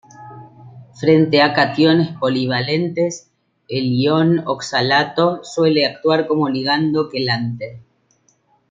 Frente a cationes polivalentes, el ion oxalato suele actuar como ligando quelante.